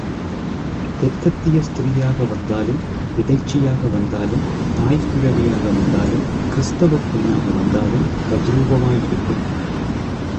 தெற்கத்திய ஸ்திரீயாக வந்தாலும், இடைச்சியாக வந்தாலும் தாய்க்கிழ வியாக வந்தாலும், கிறிஸ்தவப் பெண்ணாக வந்தாலும் தத்ரூபமாயிருக்கும்.